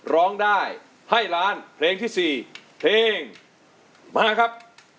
ร้องได้ให้ล้านเพลงที่๔เพลงมาครับ